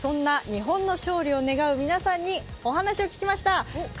そんな日本の勝利を願う皆さんにお話を聞きました。